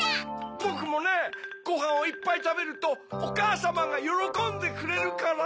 ぼくもねごはんをいっぱいたべるとおかあさまがよろこんでくれるから。